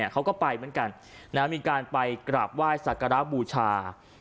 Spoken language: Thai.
เขาก็ไปเหมือนกันมีการไปกราบไหว้สักการะบูชา